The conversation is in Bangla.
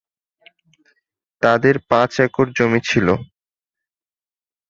তাদের পাঁচ একর জমি ছিল।